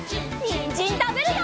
にんじんたべるよ！